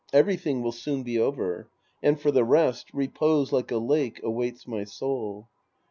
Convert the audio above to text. Everything will soon be over. And for the rest, repose like a lake awaits my soul.